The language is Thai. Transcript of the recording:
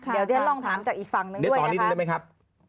เดี๋ยวเดี๋ยวลองถามจากอีกฝั่งหนึ่งด้วยนะครับ